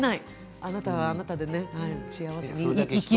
あなたはあなたで幸せに生きる。